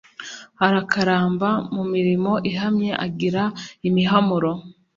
Arakaramba mu mirimo ihamye, Agire imihamuro